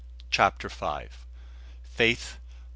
CHAPTER FIVE. FAITH.